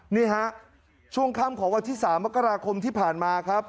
นี่ฮะช่วงค่ำของวันที่๓มกราคมที่ผ่านมาครับ